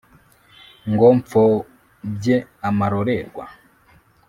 ngo mpfobye amarorerwa